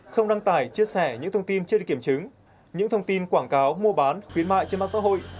không đăng tải chia sẻ những thông tin chưa được kiểm chứng những thông tin quảng cáo mua bán khuyến mại trên mạng xã hội